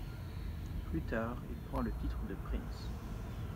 Plus tard, il prend le titre de Prinz.